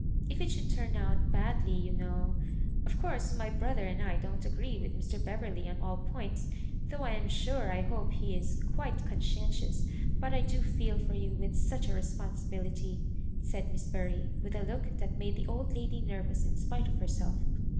"If it should turn out badly, you know . Of course, my brother and I don't agree with Mr. Beverley on all points — though I am sure I hope he is quite con scientious; but I do feel for you with such a responsibility," said Miss Bury, with a look that made the old lady nervous in spite of herself.